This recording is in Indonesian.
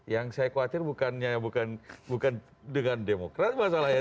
yang saya khawatir bukan dengan demokra masalah ya